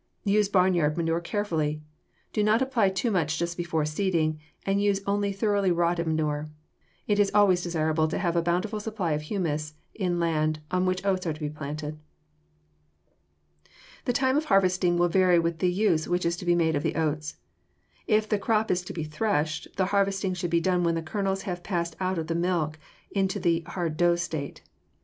Use barnyard manure carefully. Do not apply too much just before seeding, and use only thoroughly rotted manure. It is always desirable to have a bountiful supply of humus in land on which oats are to be planted. The time of harvesting will vary with the use which is to be made of the oats. If the crop is to be threshed, the harvesting should be done when the kernels have passed out of the milk into the hard dough state.